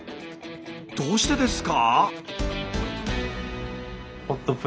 どうしてですか？